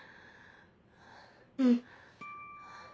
うん。